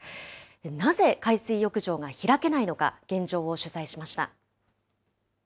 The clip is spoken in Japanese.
なぜ海水浴場が開けないのか、現状を取材しました。